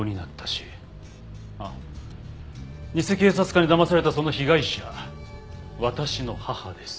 あっ偽警察官にだまされたその被害者私の母です。